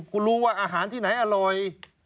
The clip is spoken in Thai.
คุณรู้ว่าอาหารที่ไหนอร่อย